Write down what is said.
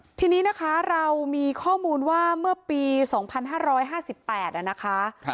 ทีนี้นะคะเรามีข้อมูลว่าเมื่อปี๒๕๕๘นะคะ